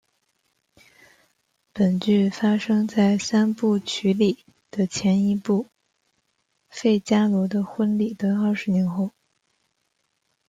本剧发生在三部曲里前一部剧费加罗的婚礼的二十年后。